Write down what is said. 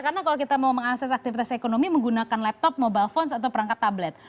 karena kalau kita mau mengakses aktivitas ekonomi menggunakan laptop mobile phone atau perangkat tablet